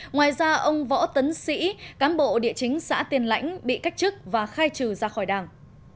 ngoài ra ông võ tấn sĩ cán bộ địa chính xã tiên lãnh bị cách chức và khai trừ ra khỏi đảng